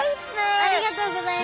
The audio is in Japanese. ありがとうございます。